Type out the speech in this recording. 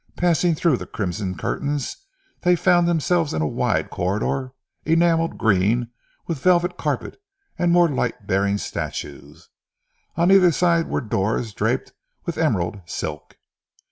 Passing through the crimson curtains, they found themselves in a wide corridor enamelled green, with velvet carpet and more light bearing statues. On either side were doors draped with emerald silk.